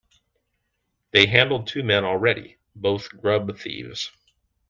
They handled two men already, both grub-thieves.